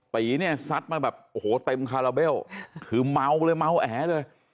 ตีเนี่ยซัดมาแบบโอ้โหเต็มคาราเบลคือเมาเลยเมาแอเลย